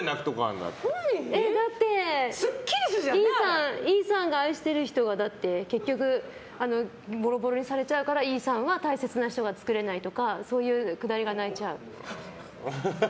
だって、イーサンが愛している人が結局、ぼろぼろにされちゃうからイーサンは大切な人が作れないとかそういうくだりで泣いちゃう。